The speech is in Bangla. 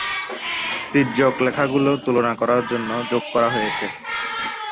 তীর্যক লেখাগুলো তুলনা করার জন্য যোগ করা হয়েছে।